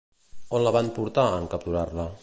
On la van portar, en capturar-la?